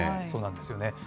そうなんですよね。